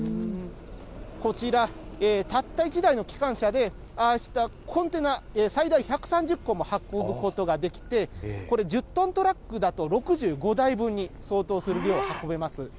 こちら、たった１台の機関車で、コンテナ最大１３０個も運ぶことができまして、これ、１０トントラックだと６５台分に相当する量を運べます。